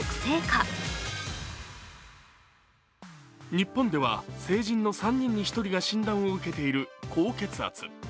日本では成人の３人に１人が診断を受けている高血圧。